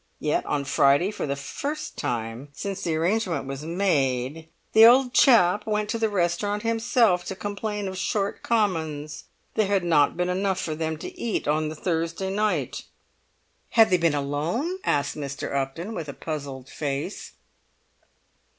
Yet on Friday, for the first time since the arrangement was made, the old chap went to the restaurant himself to complain of short commons; there had not been enough for them to eat on the Thursday night!" "Had they been alone?" asked Mr. Upton, with a puzzled face.